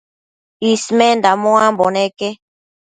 Ismenda muambo neque